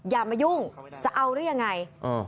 อย่ามายุ่งจะเอาหรือยังไง